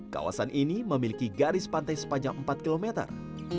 kawasan ini memiliki garis pantai sepanjang empat kilometer